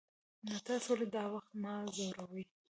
نو تاسې ولې دا وخت ما ځوروئ.